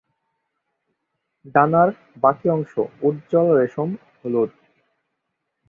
ডানার বাকী অংশ উজ্জ্বল রেশম হলুদ।